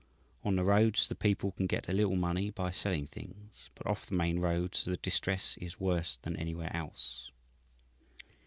On the roads the people can get a little money by selling things, but off the main roads the distress is worse than anywhere else.